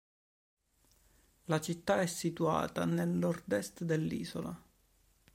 La città è situata nel nord est dell'isola.